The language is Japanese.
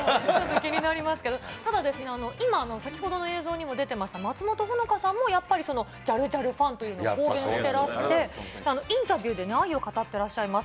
気になりますけど、ただですね、今、先ほどの映像にも出てました松本穂香さんもやっぱりジャルジャルファンというのを公言してらして、インタビューで愛を語ってらっしゃいます。